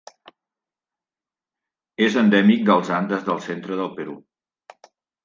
És endèmic dels Andes del centre del Perú.